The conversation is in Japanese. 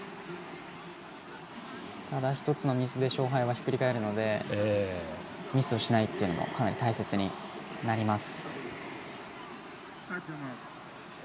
ただ、１つのミスで勝敗はひっくり返るのでミスしないというのもかなり大切になります。